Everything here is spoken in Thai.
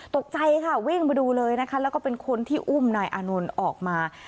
ตกใจค่ะวิ่งมาดูเลยนะคะแล้วก็เป็นคนที่อุ้มนายอานนท์ออกมา